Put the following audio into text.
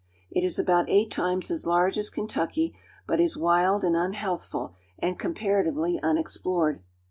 It is about eight times as large as Kentucky, but is wild and unhealthful and comparatively unexplored.